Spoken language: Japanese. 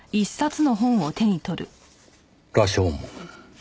『羅生門』。